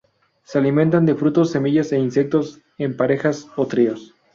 Se alimentan de frutos, semillas e insectos, en parejas o tríos.